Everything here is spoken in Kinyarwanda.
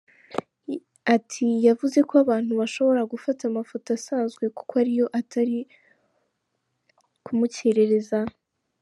Ati “Yavuze ko abantu bashobora gufata amafoto asanzwe kuko ariyo atari kumukerereza.